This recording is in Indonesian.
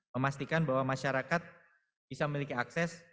memastikan bahwa masyarakat bisa memiliki akses